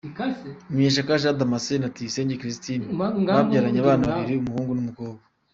Munyeshyaka Jean Damascene na Tuyisenge Christine babyaranye abana babiri, umuhungu n’umukobwa.